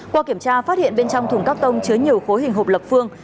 qua kiểm tra phát hiện bên trong thùng các tông chứa nhiều khối hình hộp lập phương